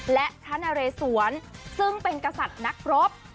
และพระนเรศวรซึ่งเป็นกษัตริย์นักรบ